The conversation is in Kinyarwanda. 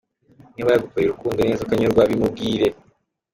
Niba yagukoreye urukundo neza ukanyurwa, bimubwire.